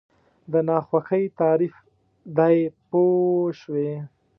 د ناخوښۍ تعریف دی پوه شوې!.